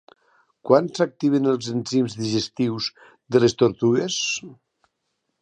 Quan s'activen els enzims digestius de les tortugues?